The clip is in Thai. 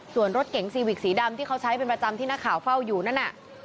ส่วนรถเก๋งซีวิกสีดำที่เขาใช้เป็นประจำที่นักข่าวเฝ้าอยู่นั่นน่ะ